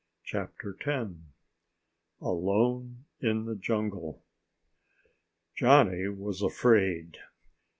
CHAPTER TEN Alone in the Jungle Johnny was afraid.